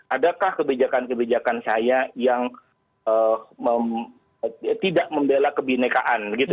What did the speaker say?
adakah kebijakan kebijakan saya yang tidak membela kebinekaan gitu